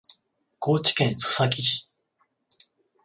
高知県須崎市